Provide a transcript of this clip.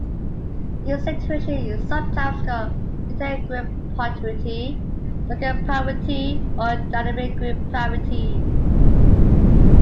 This situation is sometimes called 'retail grid parity', 'socket parity' or 'dynamic grid parity'.